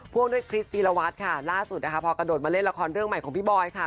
วงด้วยคริสธีรวัตรค่ะล่าสุดนะคะพอกระโดดมาเล่นละครเรื่องใหม่ของพี่บอยค่ะ